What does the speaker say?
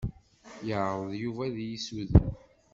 Yeɛṛeḍ Yuba ad iyi-ssuden.